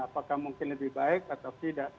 apakah mungkin lebih baik atau tidak